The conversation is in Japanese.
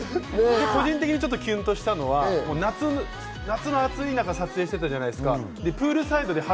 個人的にキュンとしたのは夏の暑い中、撮影していたじゃないですか。